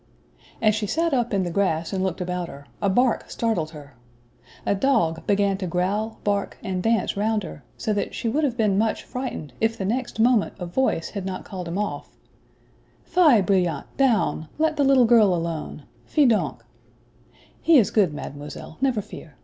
As she sat up in the grass and looked about her, a bark startled her. A dog began to growl, bark, and dance round her, so that she would have been much frightened if the next moment a voice had not called him off "Fie, Brilliant, down; let the little girl alone. Fi donc. He is good, Mademoiselle, never fear.